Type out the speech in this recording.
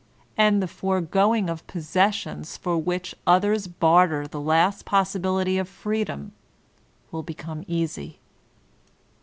And the foregoing of possessions for which others barter the last possibility of freedom, will become easy.